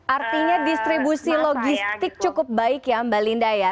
artinya distribusi logistik cukup baik ya mbak linda ya